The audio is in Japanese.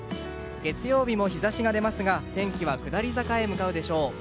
月曜日も日差しが出ますが天気は下り坂へ向かうでしょう。